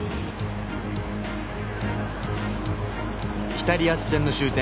北リアス線の終点